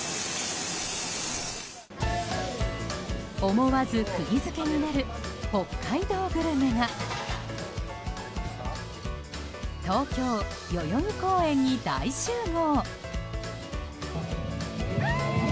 思わず釘付けになる北海道グルメが東京・代々木公園に大集合！